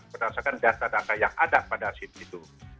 berdasarkan data data yang ada pada sim itu